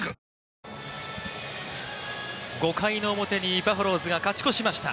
５回の表にバファローズが勝ち越しました。